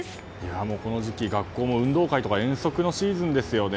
もうこの時期学校も運動会とか遠足のシーズンですよね。